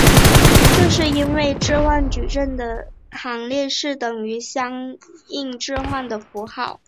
这是因为置换矩阵的行列式等于相应置换的符号。